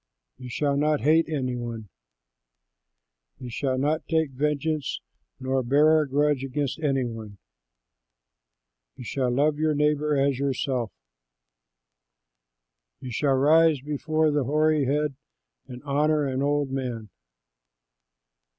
You shall not hate any one. You shall not take vengeance nor bear a grudge against any one. You shall love your neighbor as yourself. You shall rise before the hoary head and honor an old man.